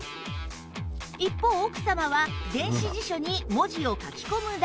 一方奥様は電子辞書に文字を書き込むだけ